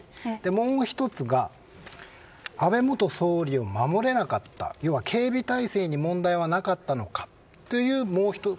もう１つは安倍元総理を守れなかった要は、警備問題はなかったのかというもう一つ。